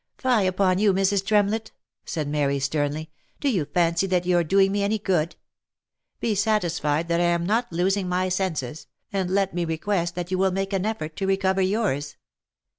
" Fie upon you, Mrs. Tremlett !" said Mary, sternly, " do you fancy that you are doing me any good ? Be satisfied that I am not losing my senses, and let me request that you will make an effort to recover yours.